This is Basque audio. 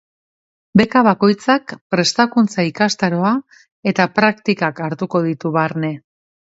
Beka bakoitzak prestakuntza ikastaroa eta praktikak hartuko ditu barne.